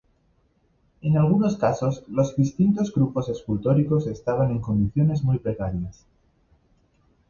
En algunos casos los distintos grupos escultóricos estaban en condiciones muy precarias.